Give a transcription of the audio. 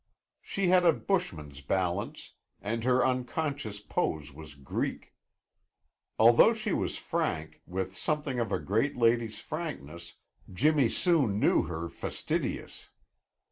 She had a bushman's balance, and her unconscious pose was Greek. Although she was frank, with something of a great lady's frankness, Jimmy soon knew her fastidious.